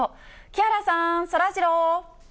木原さん、そらジロー。